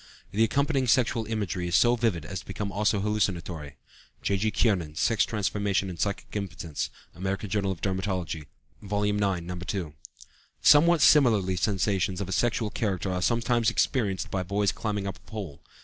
The accompanying sexual imagery is so vivid as almost to become hallucinatory. (J.G. Kiernan, "Sex Transformation and Psychic Impotence," American Journal of Dermatology, vol. ix, No. 2.) Somewhat similarly sensations of sexual character are sometimes experienced by boys when climbing up a pole.